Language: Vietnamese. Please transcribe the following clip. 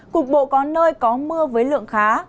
cục bộ có nơi có mưa với lượng khá